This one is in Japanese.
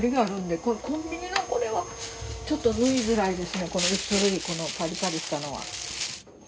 まだこのこの薄いこのパリパリしたのは。